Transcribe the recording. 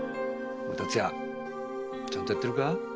「おい達也ちゃんとやってるか？